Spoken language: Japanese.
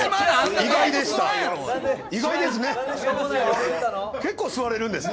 意外ですね。